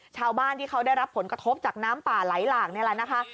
ชาวบ้านที่เขาได้รับผลกระทบจากน้ำป่าไหลหลากนี่แหละนะคะ